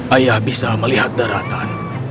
ayah bisa melihat daratan